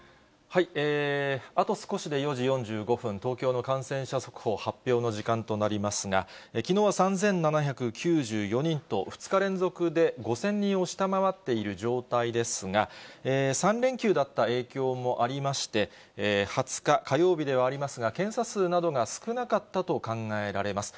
あと少しで４時４５分、東京の感染者速報、発表の時間となりますが、きのう３７９４人と、２日連続で５０００人を下回っている状態ですが、３連休だった影響もありまして、２０日火曜日ではありますが、検査数などが少なかったと考えられます。